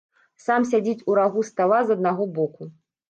Сам сядзіць у рагу стала з аднаго боку.